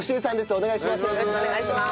お願いします。